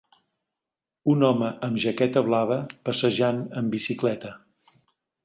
Un home amb jaqueta blava passejant en bicicleta